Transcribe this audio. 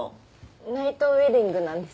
ナイトウェディングなんです。